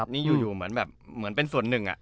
นี่อยู่เหมือนเป็นส่วน๑